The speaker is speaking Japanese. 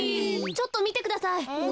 ちょっとみてください。